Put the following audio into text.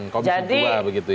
komisi tua begitu ya